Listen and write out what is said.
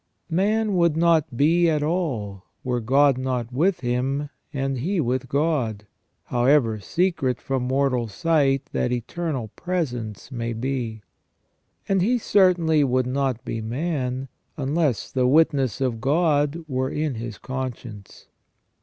Man would not be at all were God not with him, and he with God, however secret from mortal sight that eternal presence may be. And he certainly would not be man, unless the witness of God were in his conscience.